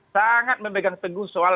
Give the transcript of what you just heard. sangat memegang teguh soal